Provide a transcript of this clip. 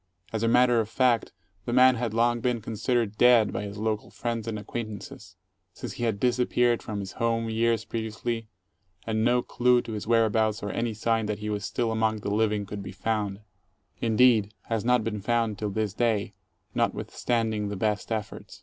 As a matter of fact, the man had long been considered dead by his Jocal friends and acquaintances; since he had disappeared from his home years previously and no clue to his whereabouts or any sign that he was still among the living could be found; indeed, has not been found till this day, notwithstanding the best efforts.